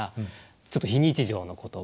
ちょっと非日常の言葉。